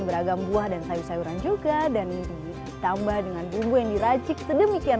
beragam buah dan sayur sayuran juga dan ditambah dengan bumbu yang diracik sedemikian